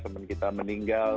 temen kita meninggal